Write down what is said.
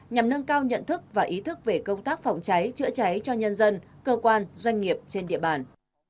nhằm nâng cao nhận thức và ý thức về công tác phòng cháy chữa cháy cho nhân dân cơ quan doanh nghiệp trên địa bàn